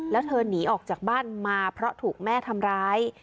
แล้วเธอหนีออกจากบ้านมาเพราะถูกแม่ทำร้าย